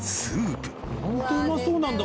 なんてうまそうなんだ